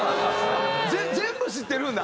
全部知ってるんだ？